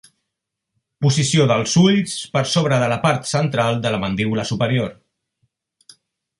Posició dels ulls per sobre de la part central de la mandíbula superior.